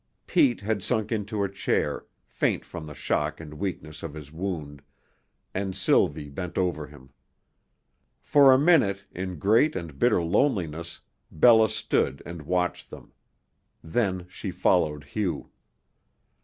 Pete had sunk into a chair, faint from the shock and weakness of his wound; and Sylvie bent over him. For a minute, in great and bitter loneliness Bella stood and watched them; then she followed Hugh.